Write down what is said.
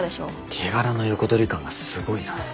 手柄の横取り感がすごいな。